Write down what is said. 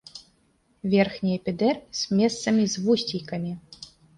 Верхні эпідэрміс месцамі з вусцейкамі.